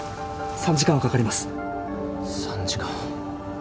３時間。